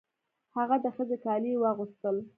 هغه د ښځې کالي یې واغوستل.